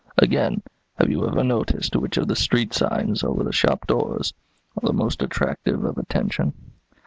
Again: have you ever noticed which of the street signs, over the shop doors, are the most attractive of attention?"